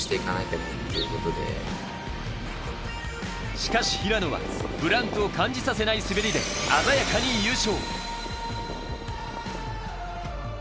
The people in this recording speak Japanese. しかし平野はブランクを感じさせない滑りで鮮やかに優勝。